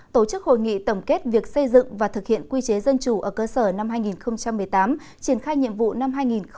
tổ chức hội nghị tổng kết việc xây dựng và thực hiện quy chế dân chủ ở cơ sở năm hai nghìn một mươi tám triển khai nhiệm vụ năm hai nghìn một mươi chín